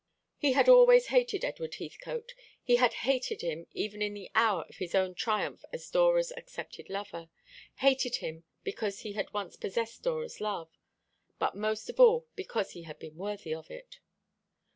He had always hated Edward Heathcote; he had hated him even in the hour of his own triumph as Dora's accepted lover; hated him because he had once possessed Dora's love, but most of all because he had been worthy of it.